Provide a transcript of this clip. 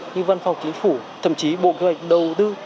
như văn phòng chính phủ thậm chí bộ thư pháp đầu tư